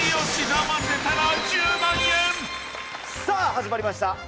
さあ始まりました。